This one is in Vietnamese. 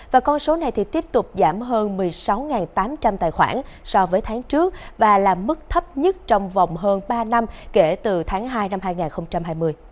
và con số này thì tiếp tục giảm hơn một mươi sáu tám trăm linh tài khoản so với tháng trước và là mức thấp nhất trong vòng hơn ba năm kể từ tháng hai năm hai nghìn hai mươi